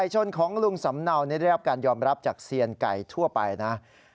ชนของลุงสำเนาได้รับการยอมรับจากเซียนไก่ทั่วไปนะ